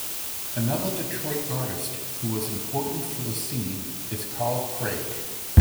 Another Detroit artist who was important for the scene is Carl Craig.